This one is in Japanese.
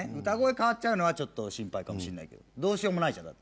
歌声変わっちゃうのは心配かもしれないけどどうしようもない。